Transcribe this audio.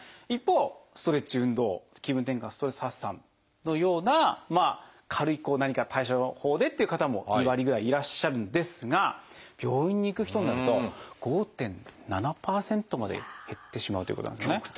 一方ストレッチ・運動気分転換・ストレス発散のような軽いこう何か対処法でっていう方も２割ぐらいいらっしゃるんですが病院に行く人になると５．７％まで減ってしまうということなんですね。